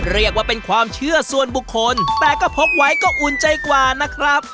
เรียกว่าเป็นความเชื่อส่วนบุคคลแต่ก็พกไว้ก็อุ่นใจกว่านะครับ